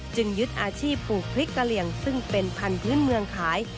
ยึดอาชีพปลูกพริกกะเหลี่ยงซึ่งเป็นพันธุ์พื้นเมืองขาย